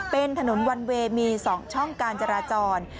เป็นถนนวันเวย์มี๒ช่องการจราจร